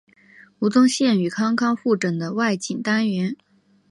吴宗宪与康康互整的外景单元。